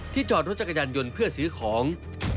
จอดรถจักรยานยนต์เพื่อซื้อของ